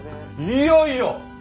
いやいや！